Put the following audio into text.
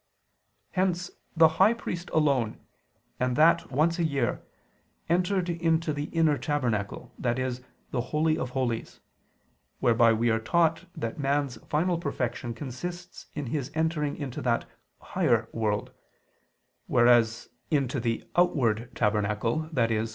Hence the high priest alone, and that once a year, entered into the inner tabernacle, i.e. the Holy of Holies: whereby we are taught that man's final perfection consists in his entering into that (higher) world: whereas into the outward tabernacle, i.e.